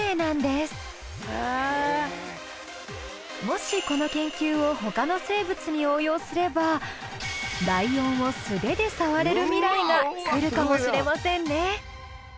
もしこの研究をライオンを素手で触れる未来が来るかもしれませんね。